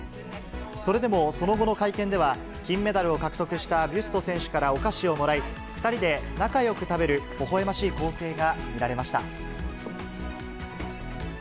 それでも、その後の会見では、金メダルを獲得したビュスト選手からお菓子をもらい、２人で仲よく食べる、ほほえましい光景が見られました。